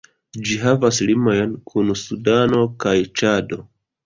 Ĝi havas limojn kun Sudano kaj Ĉado.